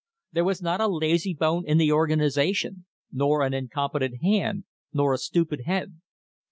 There was not a lazy bone in the organisation, nor an in competent hand, nor a stupid head.